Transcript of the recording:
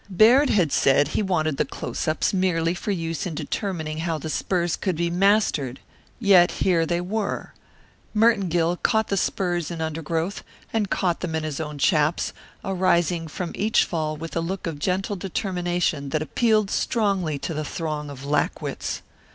Baird had said he wanted the close ups merely for use in determining how the spurs could be mastered, yet here they were. Merton Gill caught the spurs in undergrowth and caught them in his own chaps, arising from each fall with a look of gentle determination that appealed strongly to the throng of lackwits.